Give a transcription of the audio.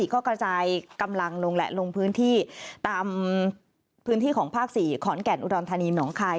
ก็กระจายกำลังลงแหละลงพื้นที่ตามพื้นที่ของภาค๔ขอนแก่นอุดรธานีหนองคาย